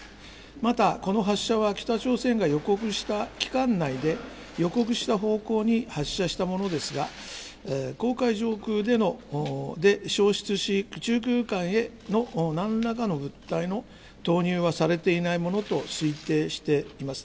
また、この発射は北朝鮮が予告した期間内で、予告した方向に発射したものですが、黄海上空で消失し、宇宙空間へのなんらかの物体の投入はされていないものと推定しています。